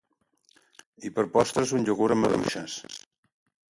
I per postres un iogurt amb maduixes